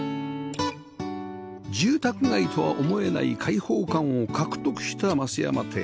住宅街とは思えない開放感を獲得した増山邸